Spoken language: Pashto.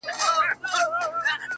هغه لمرینه نجلۍ تور ته ست کوي.